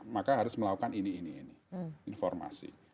maka harus melakukan ini ini ini informasi